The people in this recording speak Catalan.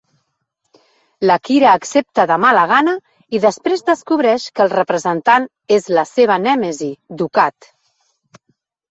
La Kira accepta de mala gana, i després descobreix que el representant és la seva nèmesi, Dukat.